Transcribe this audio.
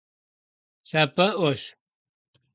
Лъапӏэӏуэщ.